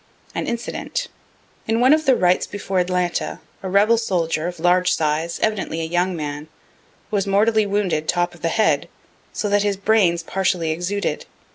An Incident. In one of the rights before Atlanta, a rebel soldier, of large size, evidently a young man, was mortally wounded top of the head, so that the brains partially exuded.